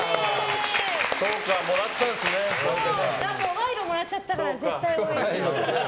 賄賂もらっちゃったから絶対。